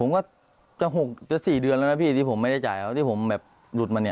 ผมก็จะ๖จะ๔เดือนแล้วนะพี่ที่ผมไม่ได้จ่ายเขาที่ผมแบบหลุดมาเนี่ย